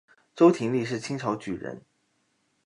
周廷励是清朝举人。